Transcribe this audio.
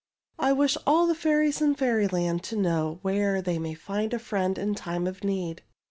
'' I wish all the fairies in Fairyland to know where they may find a friend in time of need.